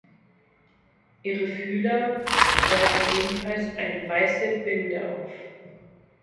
Ihre Fühler weisen ebenfalls eine weiße Binde auf.